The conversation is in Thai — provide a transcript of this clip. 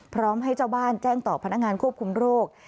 พร้อมให้เจ้าบ้านแจ้งต่อพนักงานควบคุมโรค